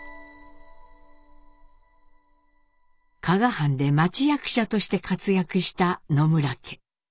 加賀藩で町役者として活躍した野村家。